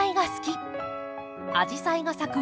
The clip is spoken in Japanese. アジサイが咲く